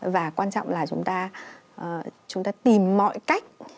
và quan trọng là chúng ta tìm mọi cách